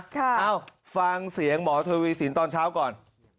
เอ้าฟังเสียงหมอทวีสินตอนเช้าก่อน